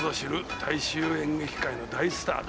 大衆演劇界の大スターだ。